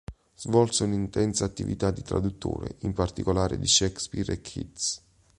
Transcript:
Svolse un'intensa attività di traduttore, in particolare di Shakespeare e Keats.